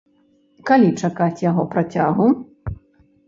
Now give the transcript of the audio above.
Калі чакаць яго працягу?